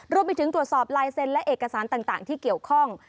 รวมไปถึงตรวจสอบลายเซ็นต์และเอกสารต่างที่เกี่ยวข้อง